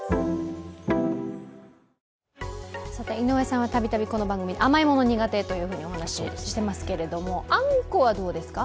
井上さんはたびたびこの番組、甘いもの苦手というふうにお話ししていますけれども、あんこはどうですか？